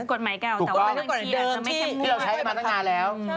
กฎหมายเก่าแต่ว่าต้องใช้มาตั้งนานแล้ว